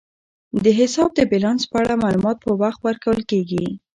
د حساب د بیلانس په اړه معلومات په وخت ورکول کیږي.